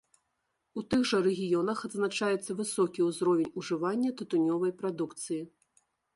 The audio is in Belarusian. У тых жа рэгіёнах адзначаецца высокі ўзровень ужывання тытунёвай прадукцыі.